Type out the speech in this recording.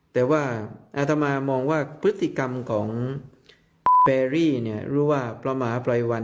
แต่ว่าอาตมามองว่าพฤติกรรมของแบรี่รู้ว่าพระมหาภัยวัน